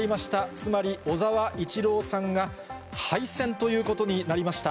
つまり小沢一郎さんが敗戦ということになりました。